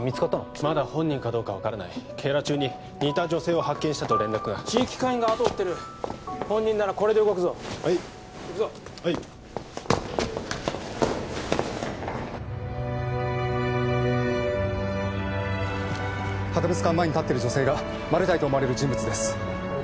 まだ本人かどうか分からない警ら中に似た女性を発見したと連絡が地域課員が後追ってる本人ならこれで動くぞ行くぞはい博物館前に立ってる女性がマル対と思われる人物です